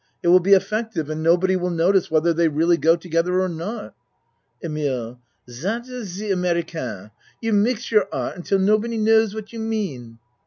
It will be effective and nobody will notice whether they really go together or not. EMILE Zat is ze American. You mix your Art until nobody knows what you mean.